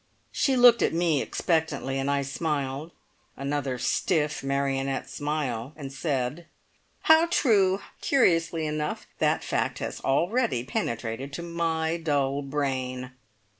She looked at me expectantly, and I smiled, another stiff, marionette smile and said: "How true! Curiously enough, that fact has already penetrated to my dull brain!"